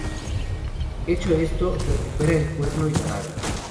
Hecho esto, recuperan el Cuerno y la daga.